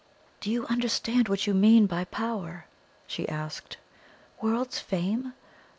"Do you understand what you mean by power?" she asked. "World's fame?